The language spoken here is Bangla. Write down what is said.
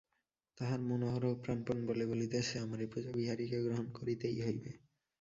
তাহার মন অহরহ প্রাণপণ বলে বলিতেছে, আমার এ পূজা বিহারীকে গ্রহণ করিতেই হইবে।